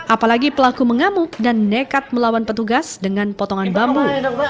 apalagi pelaku mengamuk dan nekat melawan petugas dengan potongan bambu